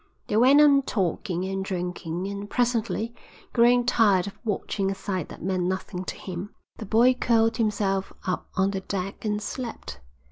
They went on talking and drinking, and presently, growing tired of watching a sight that meant nothing to him, the boy curled himself up on the deck and slept.